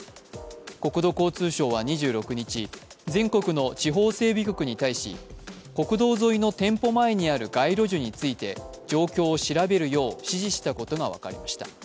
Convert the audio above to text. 国土交通省は２６日全国の地方整備局に対し国道沿いの店舗前にある街路樹について状況を調べるよう指示したことが分かりました。